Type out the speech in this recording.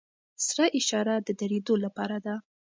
سره اشاره د دریدو لپاره ده.